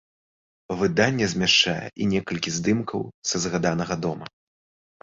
Выданне змяшчае і некалькі здымкаў са згаданага дома.